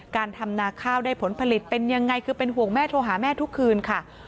การทำนาข้าวได้ผลผลิตเป็นยังไงคือเป็นห่วงแม่โทรหาแม่ทุกคืนค่ะ